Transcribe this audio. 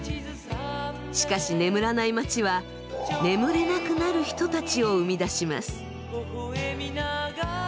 しかし眠らない街は眠れなくなる人たちを生み出します。